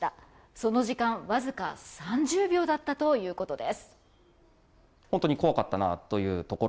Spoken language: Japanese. その時間、わずか３０秒だったということです。